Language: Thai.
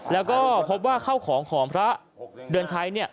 แล้วก็พบว่าเข้าของของพระเดือนชัย